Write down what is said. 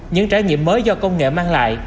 những trải nghiệm mới do công nghệ mang lại